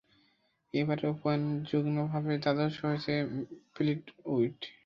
এবারের ওপেনে যুগ্মভাবে দ্বাদশ হয়েছেন ফ্লিটউড।